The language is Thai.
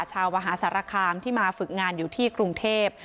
ชาวมหาสารคามที่มาฝึกงานอยู่ที่กรุงเทพ